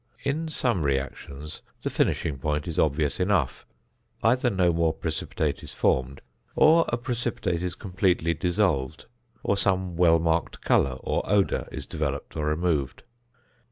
In some reactions the finishing point is obvious enough; either no more precipitate is formed, or a precipitate is completely dissolved, or some well marked colour or odour is developed or removed.